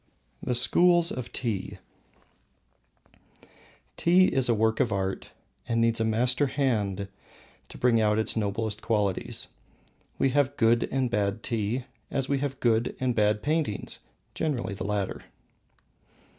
II. The Schools of Tea. Tea is a work of art and needs a master hand to bring out its noblest qualities. We have good and bad tea, as we have good and bad paintings generally the latter.